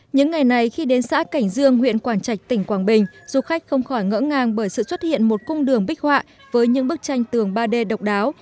những ngày này khi đến xã cảnh dương huyện quảng trạch tỉnh quảng bình du khách không khỏi ngỡ ngàng bởi sự xuất hiện một cung đường bích họa với những bức tranh tường ba d độc đáo